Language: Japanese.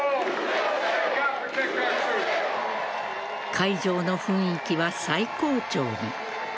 会場の雰囲気は最高潮に。